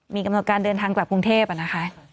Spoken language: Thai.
มีกำหนดการเดินทางกลับกรุงเทพนะคะ